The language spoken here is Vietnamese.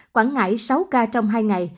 quảng ngãi sáu ca trong hai ngày